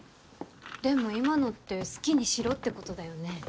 ・でも今のって好きにしろってことだよね？